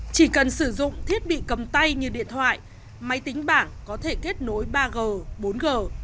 chỉ cần sử dụng thiết bị cầm tay như điện thoại máy tính bảng có thể kết nối ba g bốn g